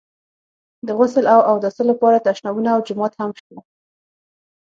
د غسل او اوداسه لپاره تشنابونه او جومات هم شته.